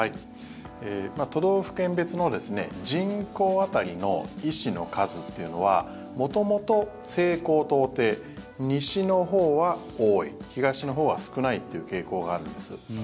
都道府県別の人口当たりの医師の数というのは元々、西高東低西のほうは多い東のほうは少ないという傾向があるんです。